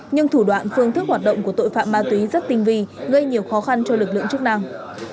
nhưng thủ đoạn phương thức hoạt động của tội phạm ma túy rất tinh vi gây nhiều khó khăn cho lực lượng chức năng